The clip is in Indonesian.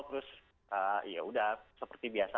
terus yaudah seperti biasa